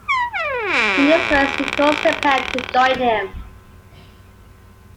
In this verse he calls the pair to join him.